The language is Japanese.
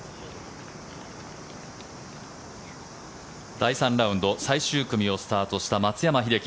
第３ラウンド最終組をスタートした松山英樹。